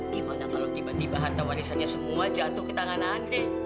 gimana kalau tiba tiba harta warisannya semua jatuh ke tangan anda